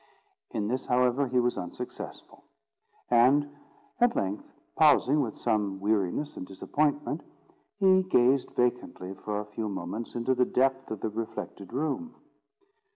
In this, however, he was unsuccessful; and, at length, pausing with some weariness and disappointment, he gazed vacantly for a few moments into the depth of the reflected room.